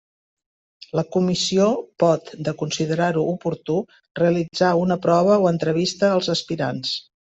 La comissió pot, de considerar-ho oportú, realitzar una prova o entrevista als aspirants.